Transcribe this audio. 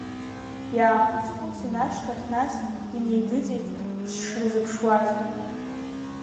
Иаахәыц-хәыцын ашьҭахь нас, инеидыҵит сшырзыԥшуаз.